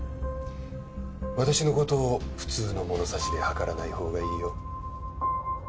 私の事を普通の物差しで測らないほうがいいよ。